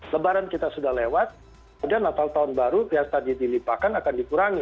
lebaran kita sudah lewat kemudian natal tahun baru yang tadi dilipahkan akan dikurangi